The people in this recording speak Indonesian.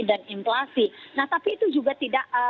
dan inflasi nah tapi itu juga tidak